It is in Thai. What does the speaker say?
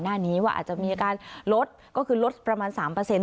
หน้านี้ว่าอาจจะมีอาการลดก็คือลดประมาณ๓เปอร์เซ็น